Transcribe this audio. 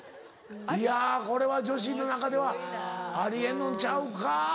いやこれは女子の中ではあり得んのんちゃうか？